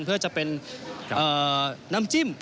เพื่อจะเป็นน้ำจิ้ม